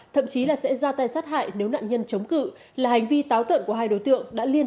thậm chí là sẽ ra tay sát hại nếu nạn nhân chống cự là hành vi táo tận của hai đối tượng đã liên